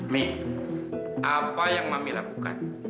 mei apa yang mami lakukan